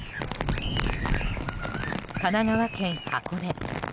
神奈川県箱根。